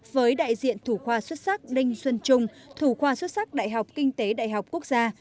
với đại diện thủ khoa xuất sắc đinh xuân trung thủ khoa xuất sắc đại học kinh tế đại học quốc gia